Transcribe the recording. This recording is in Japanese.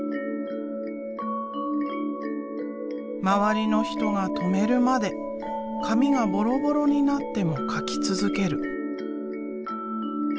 周りの人が止めるまで紙がボロボロになっても描き続ける。